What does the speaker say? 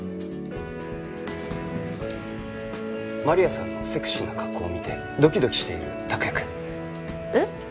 マリアさんのセクシーな格好を見てドキドキしている託也くん。